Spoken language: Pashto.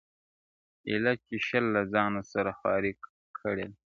ايله چي شل، له ځان سره خوارې کړې ده